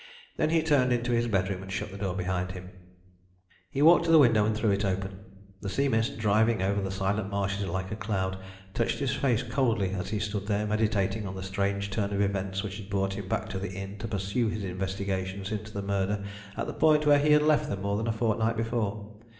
Then he turned into his bedroom and shut the door behind him. He walked to the window and threw it open. The sea mist, driving over the silent marshes like a cloud, touched his face coldly as he stood there, meditating on the strange turn of events which had brought him back to the inn to pursue his investigations into the murder at the point where he had left them more than a fortnight before.